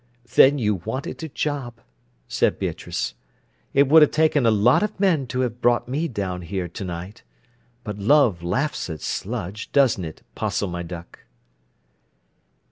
"Then you wanted a job," said Beatrice. "It would ha' taken a lot of men to ha' brought me down here to night. But love laughs at sludge, doesn't it, 'Postle my duck?"